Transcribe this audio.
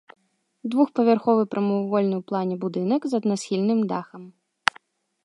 Двухпавярховы прамавугольны ў плане будынак з аднасхільным дахам.